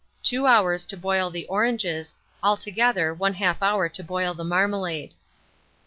Time. 2 hours to boil the oranges; altogether 1/2 hour to boil the marmalade.